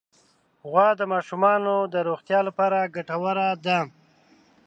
غوا د ماشومانو د روغتیا لپاره ګټوره ده.